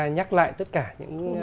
nhắc lại tất cả những